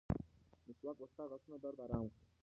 مسواک به ستا د غاښونو درد ارامه کړي.